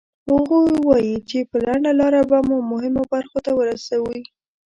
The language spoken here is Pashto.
هغوی وایي چې په لنډه لاره به مو مهمو برخو ته ورسوي.